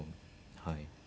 はい。